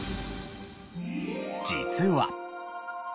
実は。